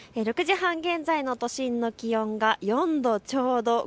６時半現在の都心の気温が４度ちょうど。